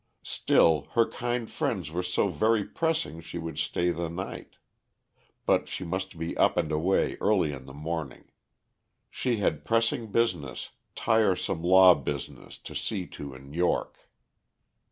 Still, her kind friends were so very pressing she would stay the night. But she must be up and away early in the morning. She had pressing business, tiresome law business, to see to in York.